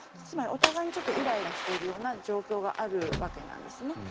つまりお互いイライラしているような状況があるわけなんですね。